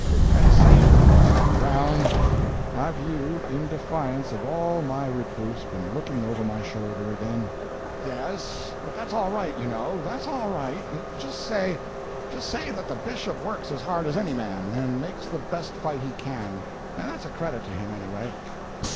"And say that—." "Brown, have you, in defiance of all my reproofs, been looking over my shoulder again?" "Yes, but that's all right, you know—that's all right. Just say—just say that the Bishop works as hard as any man, and makes the best fight he can—and that's a credit to him, anyway."